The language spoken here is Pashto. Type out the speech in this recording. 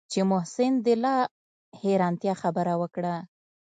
چې محسن د لا حيرانتيا خبره وکړه.